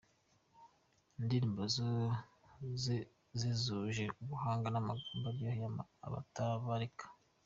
Indirimbo ze zuje ubuhanga n’amagambo aryohera abatabarika.